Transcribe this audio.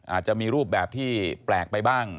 อาจจะมีรูปแบบที่แปลกไปบ้าง